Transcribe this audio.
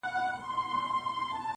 خپل گرېوان او خپل وجدان ته ملامت سو-